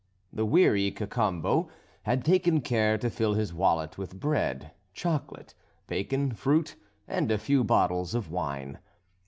The wary Cacambo had taken care to fill his wallet with bread, chocolate, bacon, fruit, and a few bottles of wine.